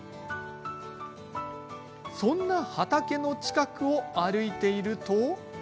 そんな畑の近くを歩いていると。